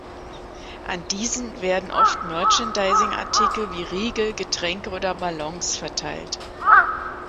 An diesen werden oft Merchandising-Artikel wie Riegel, Getränke oder Ballons verteilt.